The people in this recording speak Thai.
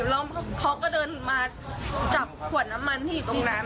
แล้วเขาก็เดินมาจับขวดน้ำมันที่อยู่ตรงนั้น